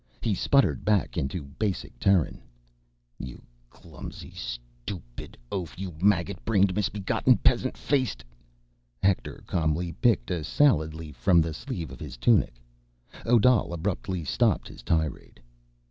He sputtered back into basic Terran: "You clumsy, stupid oaf! You maggot brained misbegotten peasant faced—" Hector calmly picked a salad leaf from the sleeve of his tunic. Odal abruptly stopped his tirade.